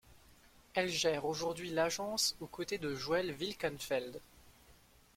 Elle gère aujourd'hui l'agence aux côtés de Joel Wilkenfeld.